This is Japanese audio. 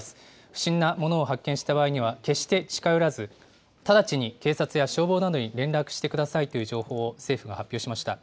不審なものを発見した場合には、決して近寄らず、直ちに警察や消防などに連絡してくださいという情報を政府が発表しました。